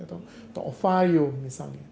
atau ovaio misalnya